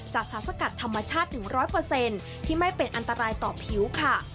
จากสารสกัดธรรมชาติถึง๑๐๐ที่ไม่เป็นอันตรายต่อผิวค่ะ